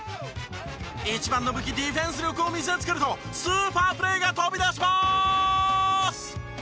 一番の武器ディフェンス力を見せつけるとスーパープレーが飛び出しまーす！